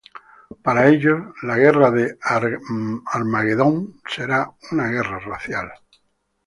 Para ellos, la guerra del Armagedón será una guerra racial.